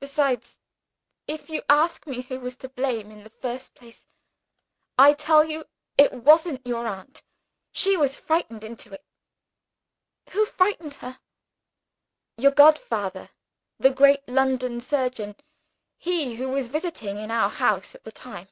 Besides, if you ask me who was to blame in the first place, I tell you it wasn't your aunt; she was frightened into it." "Who frightened her?" "Your godfather the great London surgeon he who was visiting in our house at the time."